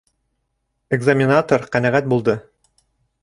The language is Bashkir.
Экзаменатор ҡәнәғәт булды